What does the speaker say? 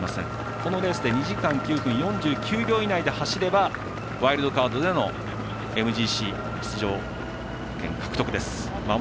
このレースで２時間９分４９秒以内で走れば、ワイルドカードでのＭＧＣ出場権獲得です。